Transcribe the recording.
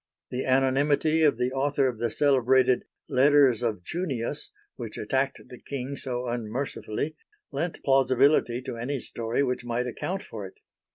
The anonymity of the author of the celebrated "Letters of Junius," which attacked the King so unmercifully, lent plausibility to any story which might account for it.